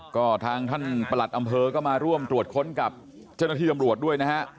ก็ทางท่านประหลัดอำเภอก็มาร่วมตรวจค้นกับเจ้าหน้าที่ตำรวจด้วยนะฮะ